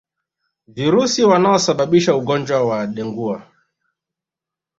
Virusi wanaosababisha ugonjwa wa dengua